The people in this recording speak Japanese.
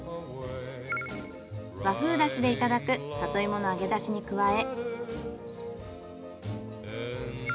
和風だしでいただく里芋の揚げだしに加え。